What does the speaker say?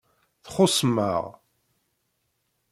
Txuṣṣem-aɣ.